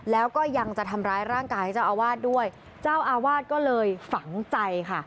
แล้วก็ยังจะทำร้ายร่างกายเจ้าอาวาสด้วยเจ้าอาวาสก็เลยฝังใจค่ะ